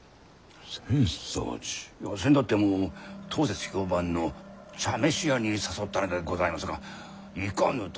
せんだっても当節評判の茶飯屋に誘ったのでございますが「行かぬ」と。